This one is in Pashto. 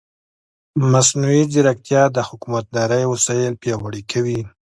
مصنوعي ځیرکتیا د حکومتدارۍ وسایل پیاوړي کوي.